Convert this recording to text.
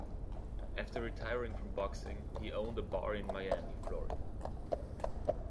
After retiring from boxing, he owned a bar in Miami, Florida.